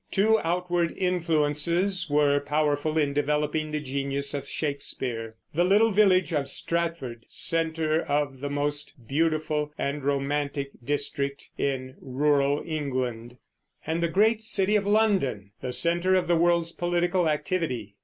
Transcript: Two outward influences were powerful in developing the genius of Shakespeare, the little village of Stratford, center of the most beautiful and romantic district in rural England, and the great city of London, the center of the world's political activity.